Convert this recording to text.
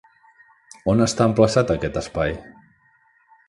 On està emplaçat aquest espai?